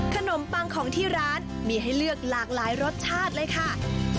ขนมปังของที่ร้านมีให้เลือกหลากหลายรสชาติเลยค่ะ